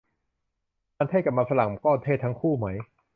มันเทศ กับมันฝรั่ง ก็เทศทั้งคู่ไหม